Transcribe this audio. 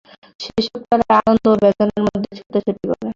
শেষোক্তেরা আনন্দ ও বেদনার মধ্যে ছুটোছুটি করে।